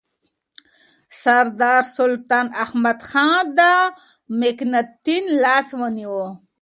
سردار سلطان احمدخان د مکناتن لاس ونیو.